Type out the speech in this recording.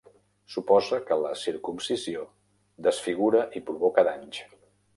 Suposa que la circumcisió desfigura i provoca danys.